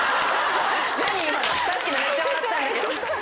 「何今のさっきのめっちゃ笑ったんだけど」。